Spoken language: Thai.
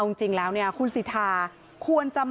ลาออกจากหัวหน้าพรรคเพื่อไทยอย่างเดียวเนี่ย